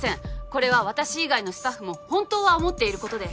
これは私以外のスタッフも本当は思っていることで。